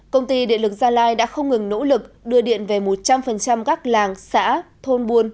công ty điện lực gia lai đã không ngừng nỗ lực đưa điện về một trăm linh các làng xã thôn buôn